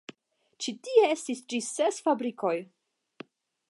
Ĉi tie estis ĝis ses fabrikoj.